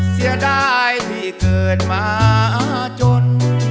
เสียดายที่เกิดมาจน